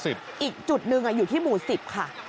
อีกจุดหนึ่งอยู่ที่หมู่๑๐ค่ะ